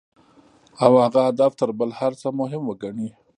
او هغه هدف تر بل هر څه مهم وګڼي.